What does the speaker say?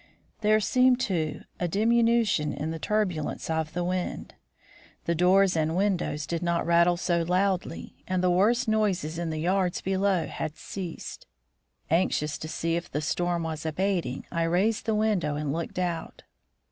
There seemed, too, a diminution in the turbulence of the wind; the doors and windows did not rattle so loudly, and the worst noises in the yards below had ceased. Anxious to see if the storm was abating, I raised the window and looked out.